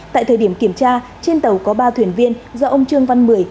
tại thời điểm kiểm tra trên tàu có ba thuyền viên do ông trương văn mười